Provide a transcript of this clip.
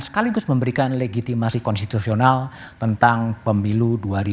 sekaligus memberikan legitimasi konstitusional tentang pemilu dua ribu dua puluh